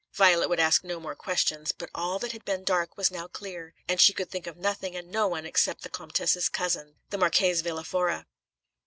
Violet would ask no more questions; but all that had been dark was now clear, and she could think of nothing and no one except the Comtesse's cousin, the Marchese Villa Fora.